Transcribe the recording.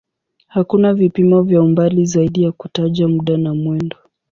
Hakuna vipimo vya umbali zaidi ya kutaja muda wa mwendo.